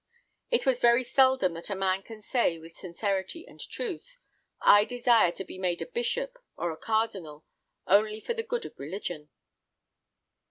It is very seldom that a man can say, with sincerity and truth, "I desire to be made a bishop or a cardinal, only for the good of religion."